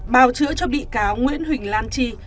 bào chữa cho bị cáo nguyễn huỳnh lan trì